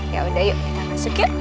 ya udah yuk kita masuk yuk